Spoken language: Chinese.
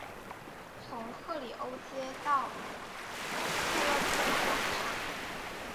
从赫里欧街到策肋定广场。